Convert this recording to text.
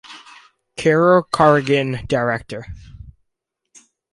Carol Carrigan, Director.